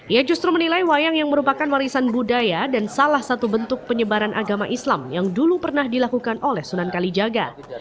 ia justru menilai wayang yang merupakan warisan budaya dan salah satu bentuk penyebaran agama islam yang dulu pernah dilakukan oleh sunan kalijaga